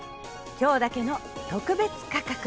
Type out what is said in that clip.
今日だけの特別価格。